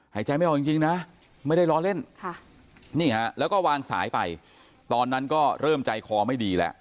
หายใจไม่ออกจริงนะไม่ได้ล้อเล่นนี่ฮะแล้วก็วางสายไปตอนนั้นก็เริ่มใจคอไม่ดีแล้ว